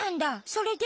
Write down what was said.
それで？